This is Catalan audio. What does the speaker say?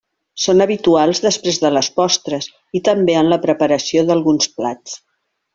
Són habituals després de les postres, i també en la preparació d'alguns plats.